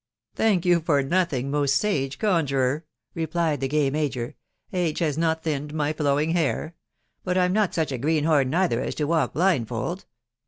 " Thank you for nothing, most sage conjuror/' replied tb» gay majcr ; "age has not thinned my flowing bairv; .bjut fI'm not such a greenhorn neither as to walk blindfold.